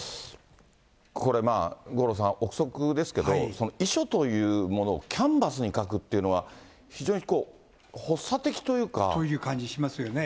これまあ、五郎さん、臆測ですけれども、遺書というものをキャンバスに書くっていうのという感じしますよね。